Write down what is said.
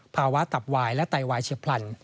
ภาวะตับวายและไตวายเฉียบพลัน